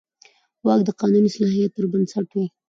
واک د قانوني صلاحیت پر بنسټ وي.